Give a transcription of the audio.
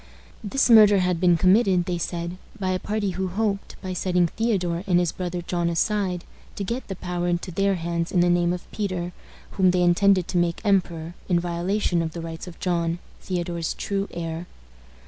This murder had been committed, they said, by a party who hoped, by setting Theodore and his brother John aside, to get the power into their hands in the name of Peter, whom they intended to make emperor, in violation of the rights of John, Theodore's true heir.